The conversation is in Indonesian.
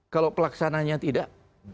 kalau pelaksananya tidak